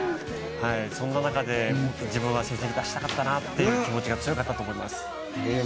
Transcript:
そんな中で自分は結果を出したかったという気持ちが強かったと思います。